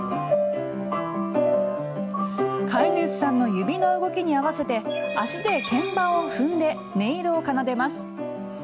飼い主さんの指の動きに合わせて足で鍵盤を踏んで音色を奏でます。